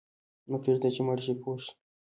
مه پرېږده چې مړ شې پوه شوې!.